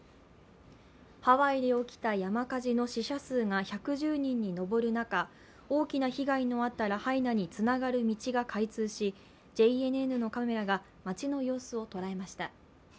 ハワイで起きた山火事の死者数が１１０人に上る中、大きな被害のあったラハイナにつながる道が開通し、ＪＮＮのカメラが町の様子尾をとらえました。